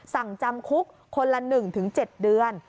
สั่งจำคุกคนละ๑๗เดือน